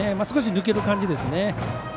少し抜ける感じですね。